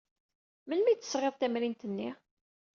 Melmi ay d-tesɣiḍ tamrint-nni?